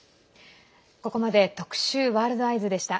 ここまで特集「ワールド ＥＹＥＳ」でした。